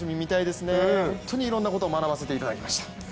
本当にいろんなことを学ばせていただきました。